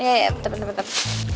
iya iya bentar bentar